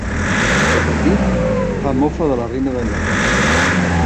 Repetit, fa mofa de la reina d'Anglaterra.